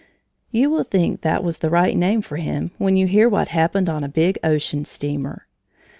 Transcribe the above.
You will think that was the right name for him, when you hear what happened on a big ocean steamer.